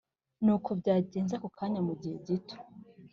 Nuko byagenze akokokanya mu giheto